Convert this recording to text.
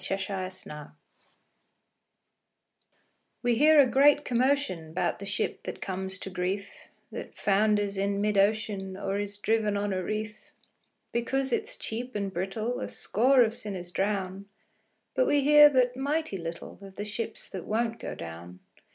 0 Autoplay We hear a great commotion 'Bout the ship that comes to grief, That founders in mid ocean, Or is driven on a reef; Because it's cheap and brittle A score of sinners drown. But we hear but mighty little Of the ships that won't go down.